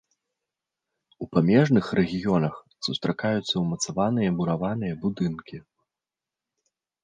У памежных рэгіёнах сустракаюцца ўмацаваныя мураваныя будынкі.